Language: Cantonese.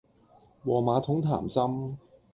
和馬桶談心